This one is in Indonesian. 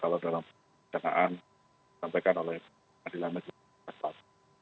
kalau dalam perkenaan disampaikan oleh adila masjid rastafari